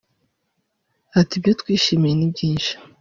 Ati “Ibyo twishimiye ni byinshi